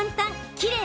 きれい！